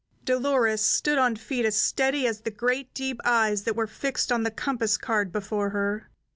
Dolores stood on feet as steady as the great, deep eyes that were fixed on the compass card before her.